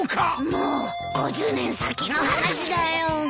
もう５０年先の話だよ。